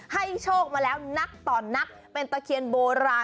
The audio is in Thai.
โชคมาแล้วนักต่อนักเป็นตะเคียนโบราณ